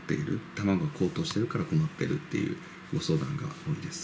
卵が高騰しているから困っているというご相談が多いです。